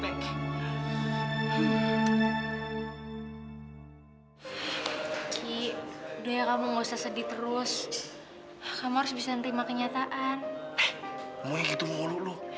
eh ngomongnya gitu mau ngeluk lu